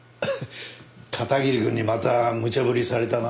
片桐くんにまたむちゃ振りされたな？